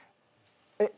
えっ？